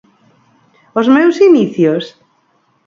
Os meus inicios?